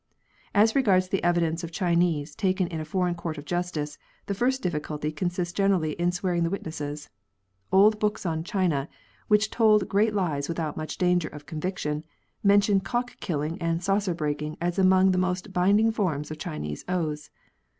As regards the evidence of Chinese taken in a foreign court of justice, the first difficulty consists generally in swearing the witnesses. Old books on China, which told great lies without much danger of conviction, mention cock killing and saucer breaking as among the most binding forms of Chinese oaths.